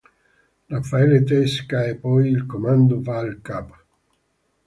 Raffaele Tresca e poi il comando va al Cap.